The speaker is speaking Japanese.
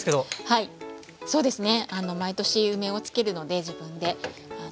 はいそうですね。